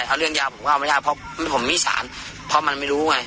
ถ้าเรื่องยาผมก็เอาไม่ได้เพราะผมมีสารเพราะมันไม่รู้ไง